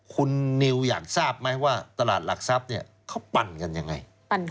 คุณนิวอยากทราบไหมว่าตลาดหลักทรัพย์เนี่ยเขาปั่นกันยังไง